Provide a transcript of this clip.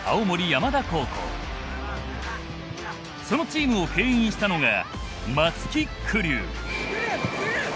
そのチームをけん引したのが松木玖生。